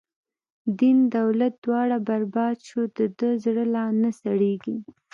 دین دولت دواړه بر باد شو، د ده زړه لا نه سړیږی